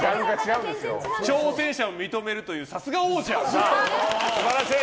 挑戦者を認めるというさすが王者。